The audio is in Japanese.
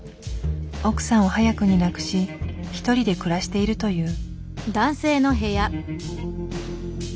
奥さんを早くに亡くし一人で暮らしているという。